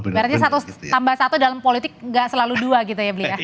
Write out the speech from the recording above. berarti tambah satu dalam politik gak selalu dua gitu ya beliau